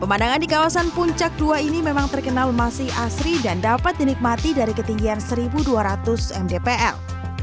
pemandangan di kawasan puncak dua ini memang terkenal masih asri dan dapat dinikmati dari ketinggian satu dua ratus mdpl